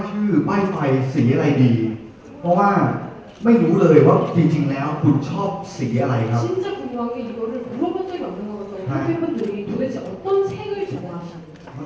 เพราะว่าไม่รู้เลยว่าคุณชอบสีอะไรครับ